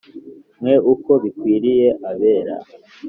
Mwe uko bikwiriye abera